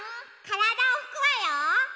からだをふくわよ。